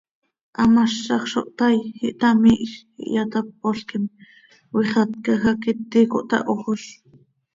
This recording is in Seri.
Hamazaj zo htaai, ihtamihj, ihyatápolquim, cöixatcaj hac iti cohtahojoz.